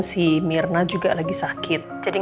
wissen dari kita kan